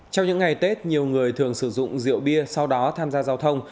trong những ngày tết nhiều người thường sử dụng rượu bia sau đó tham gia giao thông